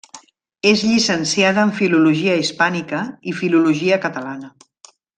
És llicenciada en Filologia Hispànica i Filologia Catalana.